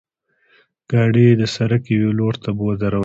ګاډۍ یې د سړک یوې لورته ودروله.